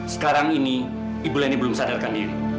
sekarang ini ibu leni belum sadarkan diri